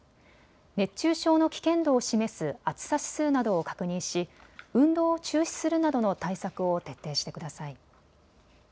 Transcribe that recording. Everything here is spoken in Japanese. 熱中症の危険度を示す暑さ指数などを確認し運動を中止するなどの対策を徹底してください。